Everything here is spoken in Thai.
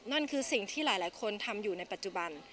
นั่นคือสิ่งที่หลายคนทำอยู่ในปัจจุบัน